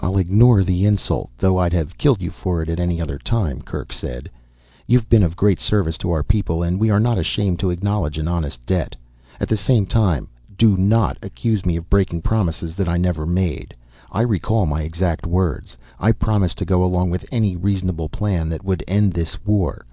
"I'll ignore the insult though I'd have killed you for it at any other time," Kerk said. "You've been of great service to our people, we are not ashamed to acknowledge an honest debt. At the same time do not accuse me of breaking promises that I never made. I recall my exact words. I promised to go along with any reasonable plan that would end this war.